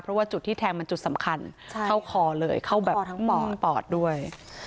เพราะว่าจุดที่แทงมันจุดสำคัญเข้าคอเลยเข้าแบบทั้งปอดปอดด้วย